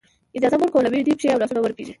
اجازه مه ورکوه له وېرې دې پښې او لاسونه ورپېږي.